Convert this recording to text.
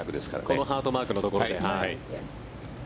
このハートマークのところ。